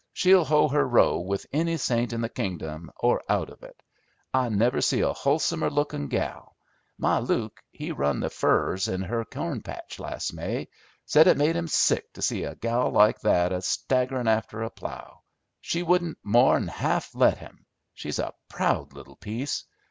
She'll hoe her row with any saint in the kingdom or out of it. I never see a hulsomer lookin' gal. My Luke, he run the furrers in her corn patch last May. Said it made him sick to see a gal like that a staggerin' after a plough. She wouldn't more 'n half let him. She's a proud little piece.